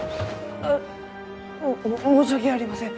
うっ！も申し訳ありません！